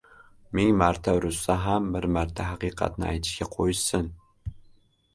• Ming marta urishsa ham bir marta haqiqatni aytishga qo‘yishsin.